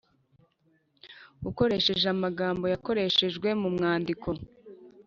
ukoresheje amagambo yakoreshejwe mu mwandiko